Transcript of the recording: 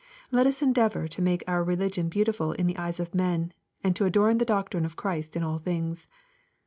Let us endeavor to make our religion beautiful in the eyes of men, and to adorn the doctrine of Christ in all things.